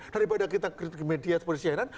daripada kita kritik ke media seperti cnn